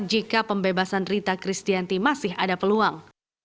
jika pembebasan rita kristianti masih ada peluang